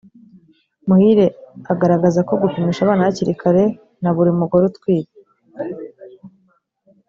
Muhire agaraza ko gupimisha abana hakiri kare na buri mugore utwite